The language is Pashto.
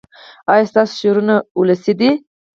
ایا ستاسو شعرونه ولسي دي؟